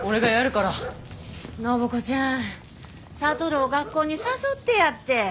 暢子ちゃん智を学校に誘ってやって。